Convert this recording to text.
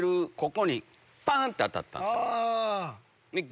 ここにパン！って当たったんですよ。